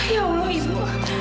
ya allah ibu